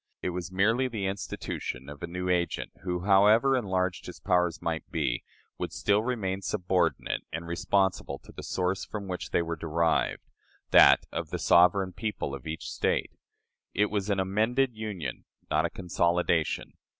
It was merely the institution of a new agent who, however enlarged his powers might be, would still remain subordinate and responsible to the source from which they were derived that of the sovereign people of each State. It was an amended Union, not a consolidation.